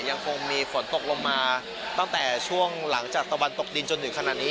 ยังคงมีฝนตกลงมาตั้งแต่ช่วงหลังจากตะวันตกดินจนถึงขนาดนี้